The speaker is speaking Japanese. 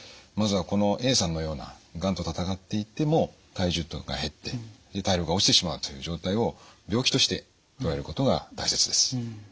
まずはこのＡさんのようながんと闘っていっても体重が減って体力が落ちてしまうという状態を病気としてとらえることが大切です。